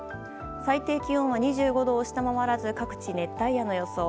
最低気温は２５度を下回らず各地、熱帯夜の予想。